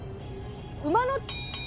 「馬の！」。